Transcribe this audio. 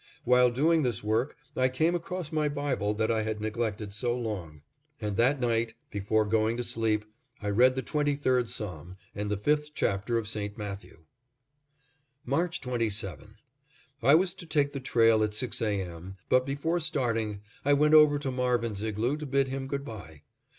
While doing this work I came across my Bible that I had neglected so long, and that night, before going to sleep, I read the twenty third Psalm, and the fifth chapter of St. Matthew. March 27: I was to take the trail at six A. M., but before starting I went over to Marvin's igloo to bid him good by.